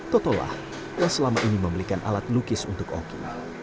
totolah yang selama ini membelikan alat lukis untuk oki